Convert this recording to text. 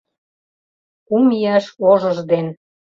Кум ияш ожыж ден